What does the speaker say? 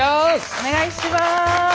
お願いします！